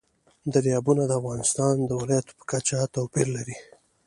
دریابونه د افغانستان د ولایاتو په کچه توپیر لري.